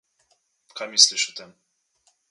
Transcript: Kaj misliš o tem?